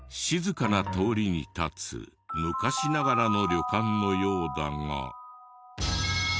静かな通りに立つ昔ながらの旅館のようだが。